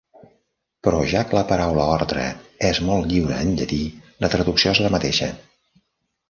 Però ja que la paraula ordre és molt lliure en llatí, la traducció és la mateixa.